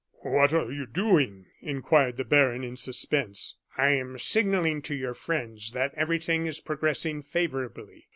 "What are you doing?" inquired the baron, in suspense. "I am signalling to your friends that everything is progressing favorably.